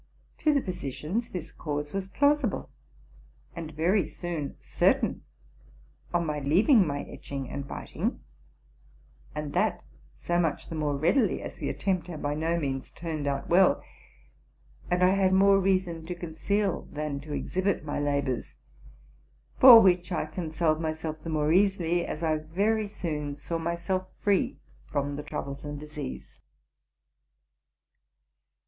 To the physi cians this cause was plausible, and very soon certain on my leaving my etching and biting, and that so much the more readily as the attempt had by no means turned out well, and I had more reason to conceal than to exhibit my labors; for which I consoled myself the more easily, as I very soon saw myself free from the troublesome disease.